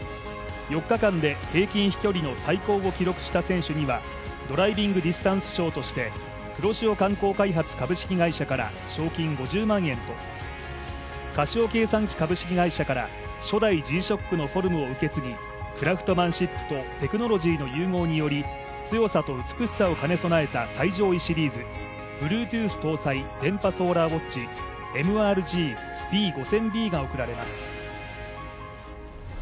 ４日間で平均飛距離の最高を記録した選手にはドライビングディスタンス賞として、黒潮観光開発株式会社から賞金５０万円とカシオ計算機株式会社から初代Ｇ−ＳＨＯＣＫのフォルムを受け継ぎクラフトマンシップとテクノロジーの融合により強さと新しさを兼ね備えた最上位シリーズＢｌｕｅｔｏｏｔｈ搭載電波ソーラーウォッチＭＲＧ−Ｂ５０００Ｂが贈られます。